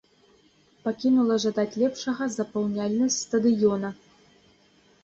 Пакінула жадаць лепшага запаўняльнасць стадыёна.